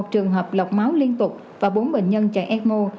một mươi một trường hợp lọc máu liên tục và bốn bệnh nhân chạy ecmo